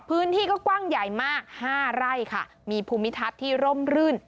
พื้นที่ก็กว้างใหญ่มากห้าไร่ค่ะมีภูมิทัศน์ที่ร่มรื่น